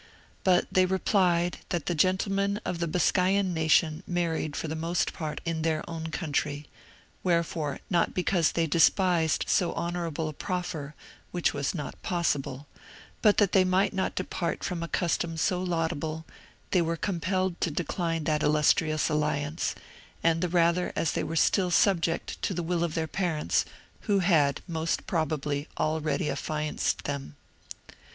But they replied, that the gentlemen of the Biscayan nation married for the most part in their own country; wherefore, not because they despised so honourable a proffer, which was not possible, but that they might not depart from a custom so laudable, they were compelled to decline that illustrious alliance, and the rather as they were still subject to the will of their parents, who had, most probably, already affianced them.